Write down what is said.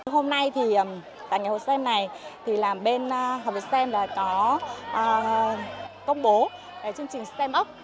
hôm nay thì tại ngày học viện stem này thì là bên học viện stem là có công bố chương trình stem up